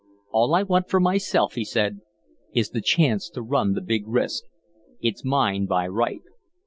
"All I want for myself," he said, "is the chance to run the big risk. It's mine by right."